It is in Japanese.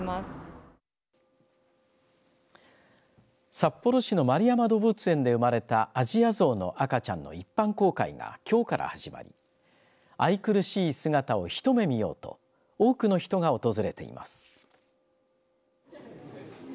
札幌市の円山動物園で生まれたアジアゾウの赤ちゃんの一般公開がきょうから始まり愛くるしい姿を一目見ようと多くの人が訪れています。